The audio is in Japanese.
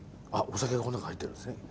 酒がこの中入ってるんですね。